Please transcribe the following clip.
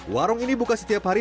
warung ini buka setiap hari